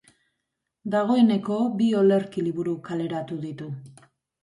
Dagoeneko bi olerki liburu kaleratu ditu.